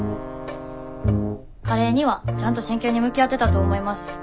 カレーにはちゃんと真剣に向き合ってたと思います。